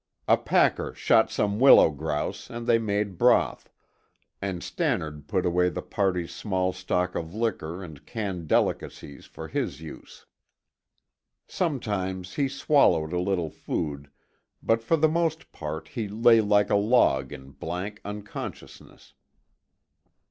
A packer shot some willow grouse and they made broth, and Stannard put away the party's small stock of liquor and canned delicacies for his use. Sometimes he swallowed a little food, but for the most part he lay like a log in blank unconsciousness.